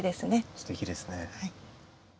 すてきですね。